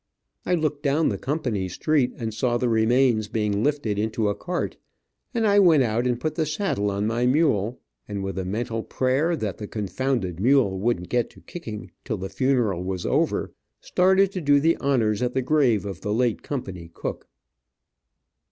I looked down the company street and saw the remains being lifted into a cart, and I went out and put the saddle on my mule, and with a mental prayer that the confounded mule wouldn't get to kicking till the funeral was over, started to do the honors at the grave of the late company cook.